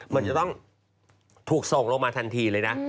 มันจะต้องถูกส่งลงมาทันทีเลยนะ